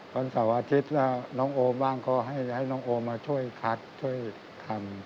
วันเสาร์อาทิตย์ก็น้องโอบ้างก็ให้น้องโอมาช่วยคัดช่วยทำ